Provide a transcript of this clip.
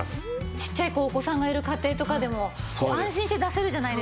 ちっちゃい子お子さんがいる家庭とかでも安心して出せるじゃないですか。